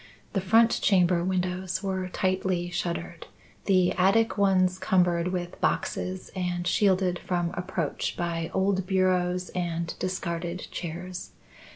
The front chamber windows were tightly shuttered, the attic ones cumbered with boxes and shielded from approach by old bureaus and discarded chairs.